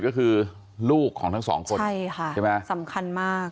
ก็คือลูกของทั้งสองคนใช่ค่ะใช่ไหมสำคัญมาก